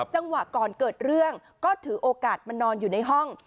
จังหวะก่อนเกิดเรื่องก็ถือโอกาสมานอนอยู่ในห้อง